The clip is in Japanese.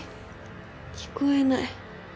聞こえない。